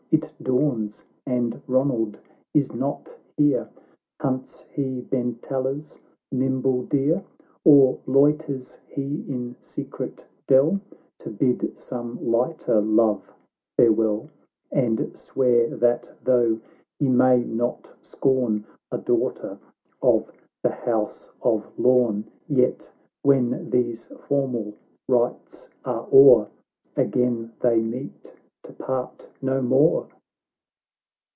— It dawns, and Ronald is not here !— Hunts he Bentalla's nimble deer, Or loiters he in secret dell To bid some lighter love farewell, And swear that though he may not scorn A daughter of the House of Lorn,' Yet, when these formal rites are o'er, Again they meet, to part no more